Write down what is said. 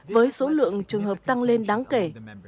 với số lượng trường hợp tăng lên đáng kể